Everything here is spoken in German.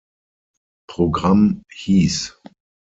Programm" hieß.